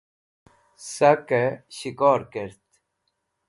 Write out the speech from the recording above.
Sakey S̃hikor Kert